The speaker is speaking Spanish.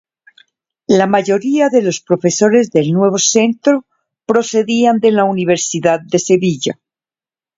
La mayoría de los profesores del nuevo centro procedían de la Universidad de Sevilla.